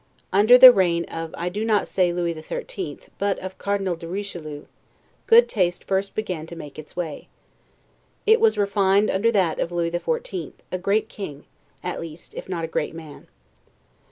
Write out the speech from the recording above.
Under the reign of I do not say Lewis XIII. but of Cardinal de Richelieu, good taste first began to make its way. It was refined under that of Lewis XIV., a great king, at least, if not a great man.